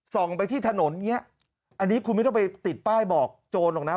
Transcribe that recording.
ไปที่ถนนเนี้ยอันนี้คุณไม่ต้องไปติดป้ายบอกโจรหรอกนะ